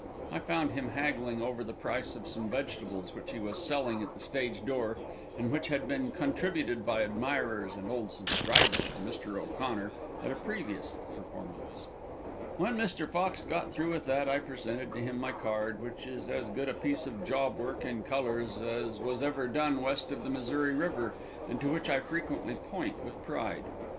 I found him haggling over the price of some vegetables which he was selling at the stage door and which had been contributed by admirers and old subscribers to Mr. O'Connor at a previous performance. When Mr. Fox got through with that I presented to him my card, which is as good a piece of job work in colors as was ever done west of the Missouri river, and to which I frequently point with pride. Mr.